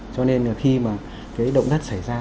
cho nên là khi mà cái động đất xảy ra